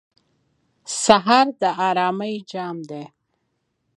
سهار د آرامۍ جام دی.